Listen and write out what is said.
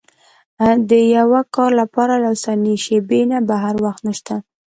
د يوه کار لپاره له اوسنۍ شېبې نه بهتر وخت نشته.